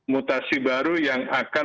mutasi baru yang akan